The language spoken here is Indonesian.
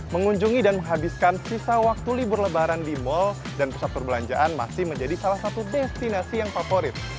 mengunjungi dan menghabiskan sisa waktu libur lebaran di mal dan pusat perbelanjaan masih menjadi salah satu destinasi yang favorit